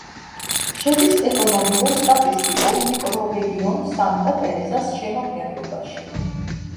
შედის ეკონომიკურ-სტატისტიკურ მიკრორეგიონ სანტა-ტერეზას შემადგენლობაში.